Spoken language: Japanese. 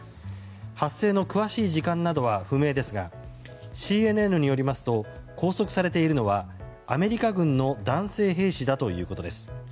発生の詳しい時間などは不明ですがＣＮＮによりますと拘束されているのはアメリカ軍の男性兵士だということです。